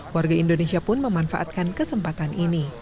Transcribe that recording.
warga indonesia pun memanfaatkan kesempatan ini